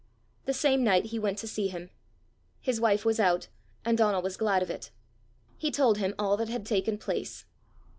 The same night he went to see him. His wife was out, and Donal was glad of it. He told him all that had taken place.